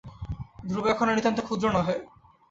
ধ্রুব এখন আর নিতান্ত ক্ষুদ্র নহে।